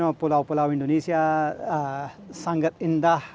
dan pulau pulau indonesia sangat indah